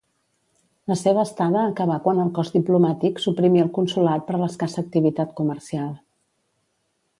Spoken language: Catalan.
La seva estada acabà quan el cos diplomàtic suprimí el consolat per l'escassa activitat comercial.